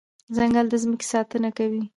ځنګل د ځمکې ساتنه کوي.